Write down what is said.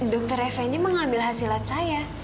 dokter fnd mengambil hasil lab saya